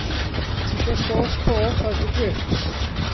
Tisio sôs coch ar dy jips?